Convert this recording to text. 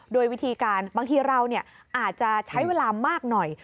โดยวิธีการบางทีเราอาจจะใช้เวลามากหน่อย